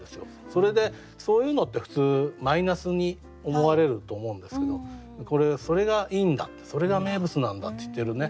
それでそういうのって普通マイナスに思われると思うんですけどこれそれがいいんだってそれが名物なんだって言ってるね